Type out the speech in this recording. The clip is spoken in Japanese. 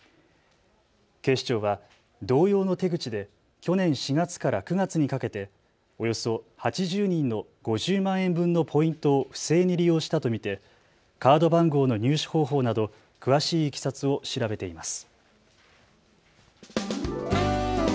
警視庁は同様の手口で去年４月から９月にかけておよそ８０人の５０万円分のポイントを不正に利用したと見てカード番号の入手方法など詳しいいきさつを調べています。